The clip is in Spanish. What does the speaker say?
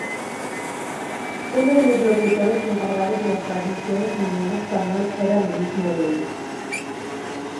Uno de los locutores encargados de las transmisiones en idioma español era Luis Nogueira.